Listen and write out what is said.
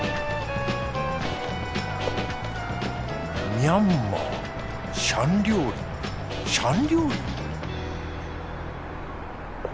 ミャンマーシャン料理シャン料理？